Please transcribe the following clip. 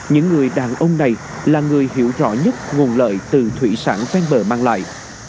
những người đàn ông này là người hiểu rõ nhất nguồn lợi từ thủy sản ven bờ mang lại